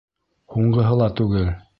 Һуңғыһы ла түгел.